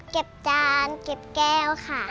เก็บจานเก็บแก้วค่ะ